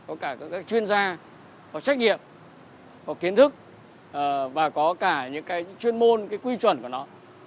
có cả các chuyên gia có trách nhiệm có kiến thức và có cả những cái chuyên môn cái quy chuẩn của nó